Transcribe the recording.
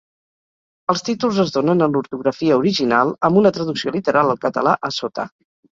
Els títols es donen en l'ortografia original amb una traducció literal al català a sota.